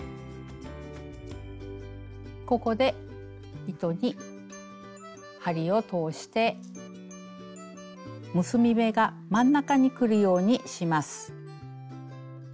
ここで糸に針を通して結び目が真ん中にくるようにします。